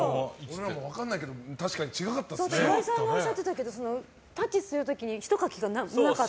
俺らも分からないけど、確かにおっしゃってたけどタッチする時にひとかきがなかった。